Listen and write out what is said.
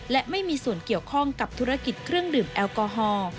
และไม่มีส่วนเกี่ยวข้องกับธุรกิจเครื่องดื่มแอลกอฮอล์